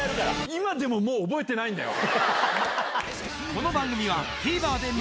今でももう覚えてないんだよ！